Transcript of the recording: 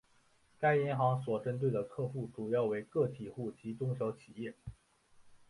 该银行所针对的客户主要为个体客户及中小企业。